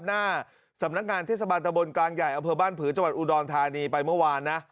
หน้าสำนักงานเทศบาลตะบนกลางใหญ่อำเภอบ้านผือจังหวัดอุดรธานีไปเมื่อวานนะ